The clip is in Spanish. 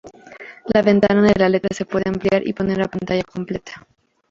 La ventana de la letra se puede ampliar y poner a pantalla completa.